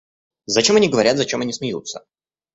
Зачем они говорят, зачем они смеются?